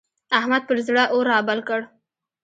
احمد پر زړه اور رابل کړ.